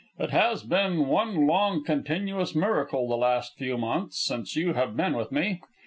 "It has been one long continuous miracle, the last few months, since you have been with me.